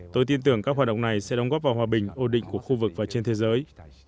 tôi tin tưởng các hoạt động này sẽ đóng góp vào hòa bình ổn định của khu vực và trên thế giới